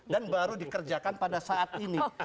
baru dikerjakan pada saat ini